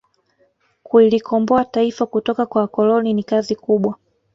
kulikomboa taifa kutoka kwa wakoloni ni kazi kubwa